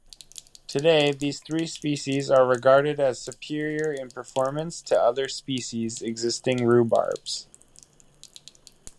Today, these three species are regarded as superior in performance to other species-existing rhubarbs.